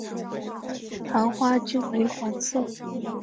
盘花均为黄色。